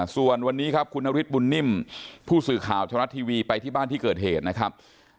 ส่วนวันนี้ครับคุณนฤทธิบุญนิ่มผู้สื่อข่าวชะลัดทีวีไปที่บ้านที่เกิดเหตุนะครับ